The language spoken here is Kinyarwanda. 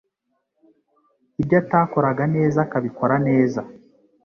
ibyo atakoraga neza akabikora neza